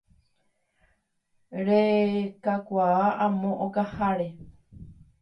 Rekakuaa amo okaháre